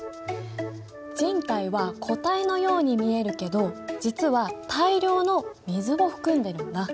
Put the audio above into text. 人体は固体のように見えるけど実は大量の水を含んでるんだ。